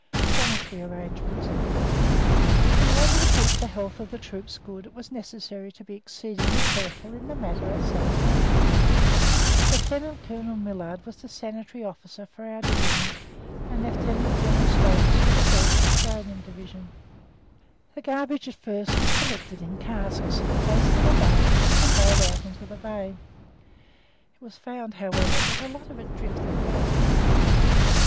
SANITARY ARRANGEMENTS In order to keep the health of the troops good it was necessary to be exceedingly careful in the matter of sanitation. Lieutenant Colonel Millard was the Sanitary Officer for our Division, and Lieutenant Colonel Stokes for the 1st Australian Division. The garbage at first was collected in casks, placed in a barge and conveyed out into the bay; it was found, however, that a lot of it drifted back.